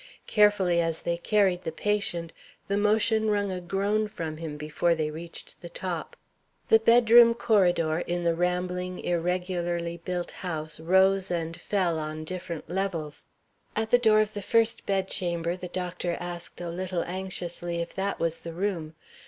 Carefully as they carried the patient, the motion wrung a groan from him before they reached the top. The bedroom corridor, in the rambling, irregularly built house rose and fell on different levels. At the door of the first bedchamber the doctor asked a little anxiously if that was the room.